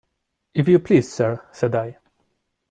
"If you please, sir," said I.